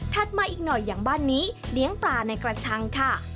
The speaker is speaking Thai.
มาอีกหน่อยอย่างบ้านนี้เลี้ยงปลาในกระชังค่ะ